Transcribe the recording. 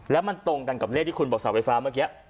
แล้วมันตรงกันกับเลขที่คุณบอกเสาไฟฟ้าเมื่อกี้